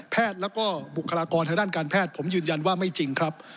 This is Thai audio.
แพทย์แล้วก็บุคลากรทางด้านการแพทย์ผมยืนยันว่าไม่จริงครับ